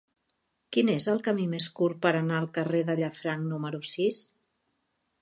Quin és el camí més curt per anar al carrer de Llafranc número sis?